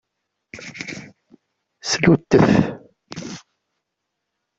Sluttef.